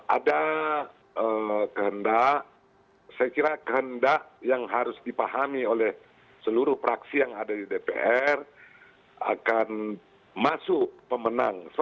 ada kehendak saya kira kehendak yang harus dipahami oleh seluruh praksi yang ada di dpr akan masuk pemenang